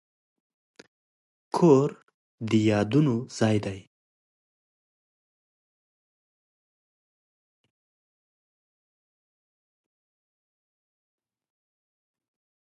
کور د یادونو ځای دی.